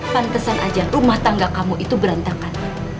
pantesan aja rumah tangga kamu itu berantakan